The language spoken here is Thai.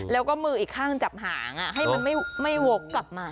แล้วก็มืออีกข้างจับหางให้มันไม่วกกลับมา